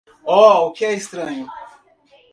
Oh, o que é estranho?